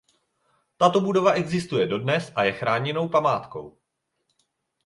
Tato budova existuje dodnes a je chráněnou památkou.